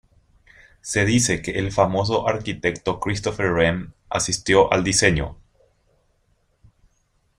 Se dice que el famoso arquitecto Christopher Wren asistió al diseño.